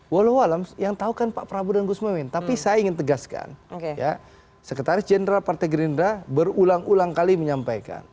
walau walau yang tahu kan pak prabowo dan gus muhaymin tapi saya ingin tegaskan sekretaris jenderal partai gerindra berulang ulang kali menyampaikan